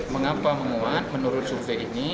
mengapa menguat menurut survei ini